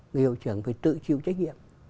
người hiệu trưởng phải tự chịu trách nhiệm